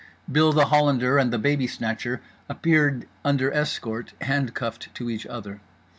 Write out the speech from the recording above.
Bill The Hollander and The Babysnatcher appeared under escort, handcuffed to each other.